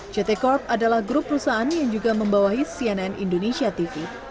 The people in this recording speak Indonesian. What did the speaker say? ct corp adalah grup perusahaan yang juga membawahi cnn indonesia tv